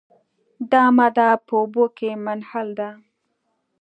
دا ماده په اوبو کې منحل ده.